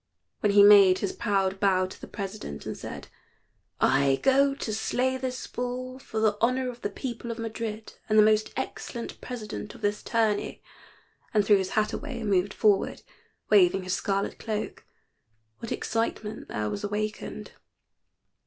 When he made his proud bow to the president, and said, "I go to slay this bull for the honor of the people of Madrid and the most excellent president of this tourney," and threw his hat away and moved forward, waving his scarlet cloak, what excitement there was awakened.